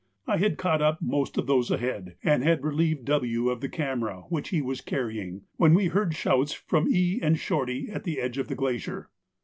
I had caught up most of those ahead, and had relieved W. of the camera which he was carrying, when we heard shouts from E. and Shorty at the edge of the glacier.